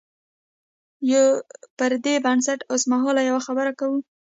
پر دې بنسټ اوسمهال یوه خبره کوو.